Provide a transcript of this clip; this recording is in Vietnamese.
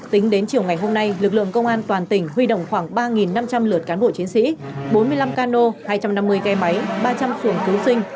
tính đến chiều ngày hôm nay lực lượng công an toàn tỉnh huy động khoảng ba năm trăm linh lượt cán bộ chiến sĩ bốn mươi năm cano hai trăm năm mươi ghe máy ba trăm linh xuồng cứu sinh